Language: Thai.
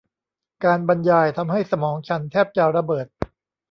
การบรรยายทำให้สมองฉันแทบจะระเบิด